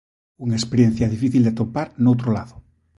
Unha experiencia difícil de atopar noutro lado.